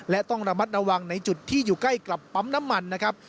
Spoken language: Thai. และต้องระมัดระวังในจุดที่อยู่ใกล้กับปั๊มน้ำมันนะครับ